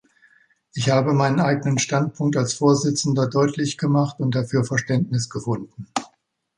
Ich habe meinen eigenen Standpunkt als Vorsitzender deutlich gemacht und dafür Verständnis gefunden.